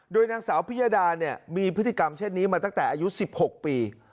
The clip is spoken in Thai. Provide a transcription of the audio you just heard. โดยนางสาวพิยดามีพฤติกรรมเช่นนี้มาตั้งแต่อายุ๑๖ปี